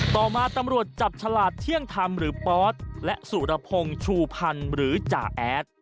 ต่อมาตำรวจจับฉลาดเที่ยงธรรมหรือปอสและสุรพงศ์ชูพันธ์หรือจ่าแอด